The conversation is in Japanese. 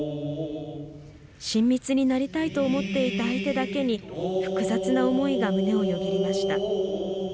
親密になりたいと思っていた相手だけに複雑な思いが胸をよぎりました。